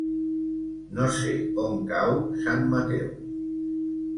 No sé on cau Sant Mateu.